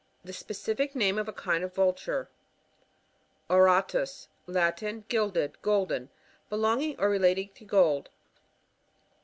The specific name of a kind oi Vulture. AuRATUs. — Latin. Gilded ; golden. Belonging or relating to gold.